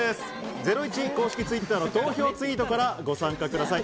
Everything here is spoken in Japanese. ゼロイチ公式Ｔｗｉｔｔｅｒの投票ツイートからご参加ください。